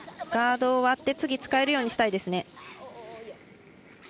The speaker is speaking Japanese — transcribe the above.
ガードを割って次、使えるようにしたいですね。